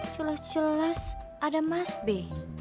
jelas jelas ada mas b